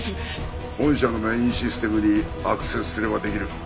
本社のメインシステムにアクセスすれば出来る。